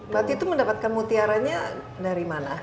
waktu itu mendapatkan mutiara nya dari mana